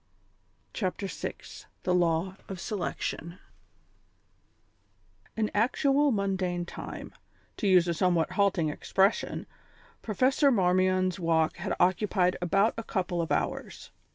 CHAPTER VI THE LAW OF SELECTION In actual mundane time, to use a somewhat halting expression, Professor Marmion's walk had occupied about a couple of hours.